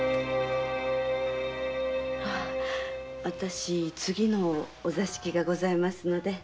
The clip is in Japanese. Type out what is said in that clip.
私次のお座敷がございますので。